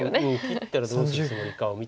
切ったらどうするつもりかを見てみたい。